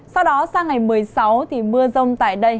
sau đó sang ngày một mươi sáu thì mưa rông tại đây